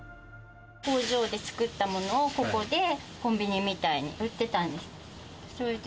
工場で作ったものを、ここでコンビニみたいに売ってたんです。